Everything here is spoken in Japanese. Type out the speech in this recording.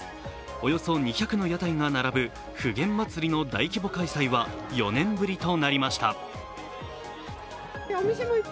およそ２００の屋台が並ぶ普賢まつりの大規模開催は４年ぶりとなりました。